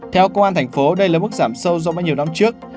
theo công an tp hcm đây là mức giảm sâu do mấy nhiêu năm trước